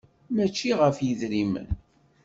Mačči ɣef yidrimen.